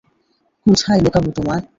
কোথায় লুকাবো তোমায়?